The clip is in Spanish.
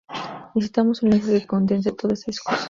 Necesitamos un lenguaje que condense todo ese discurso